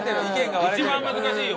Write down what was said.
一番難しいよ